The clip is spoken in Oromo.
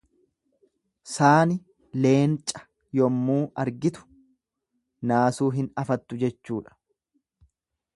Saani Leenca yemmuu argitu naasuu hin afattu jechuudha.